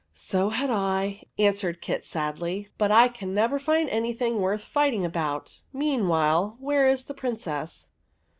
'*" So had I," answered Kit, sadly ;" but I never can find anything worth fighting about. Meanwhile, where is the Princess?''